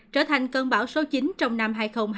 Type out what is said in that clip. trở thành cơn bão số chín trong năm hai nghìn hai mươi